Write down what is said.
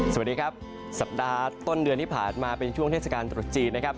สวัสดีครับสัปดาห์ต้นเดือนที่ผ่านมาเป็นช่วงเทศกาลตรุษจีนนะครับ